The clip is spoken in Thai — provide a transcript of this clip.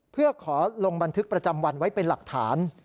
เพื่อขอลงบันทึกประจำวันไว้เป็นหลักฐาน